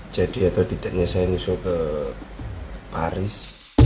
jadi atau tidaknya saya bisa ke paris